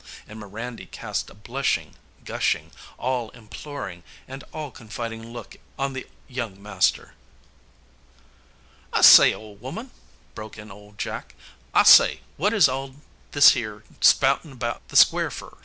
And Mirandy cast a blushing, gushing, all imploring, and all confiding look on the young master. "I say, ole woman," broke in old Jack, "I say, wot is all this 'ere spoutin' about the Square fer?"